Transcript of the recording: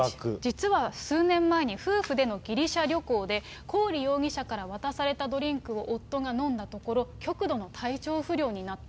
実は数年前に夫婦でのギリシャ旅行で、コーリ容疑者から渡されたドリンクを夫が飲んだところ、極度の体調不良になった。